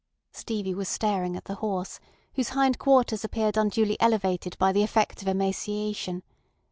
Stevie was staring at the horse, whose hind quarters appeared unduly elevated by the effect of emaciation.